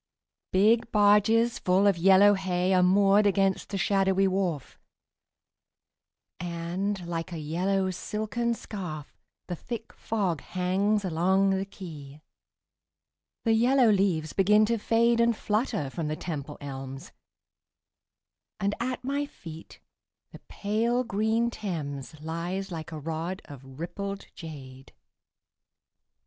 Big barges full of yellow hay Are moored against the shadowy wharf, And, like a yellow silken scarf, The thick fog hangs along the quay. The yellow leaves begin to fade And flutter from the Temple elms, And at my feet the pale green Thames Lies like a rod of rippled jade.